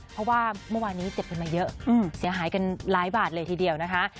เพราะว่าเมื่อวานนี้เจ็บกันมาเยอะเสียหายกันหลายบาทเลยทีเดียวนะคะ